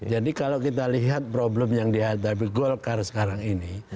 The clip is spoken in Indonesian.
jadi kalau kita lihat problem yang dihadapi golkar sekarang ini